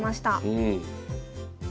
うん。